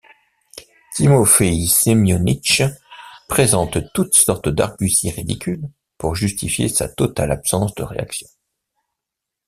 Timoféï Semionytch présente toutes sortes d'arguties ridicules pour justifier sa totale absence de réaction.